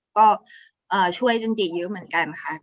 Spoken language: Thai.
ก็ช่วยจันจิเยอะเหมือนกันค่ะ